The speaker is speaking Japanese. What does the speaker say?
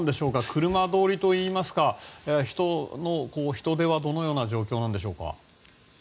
車通りといいますか人出はどのような状況でしょうか。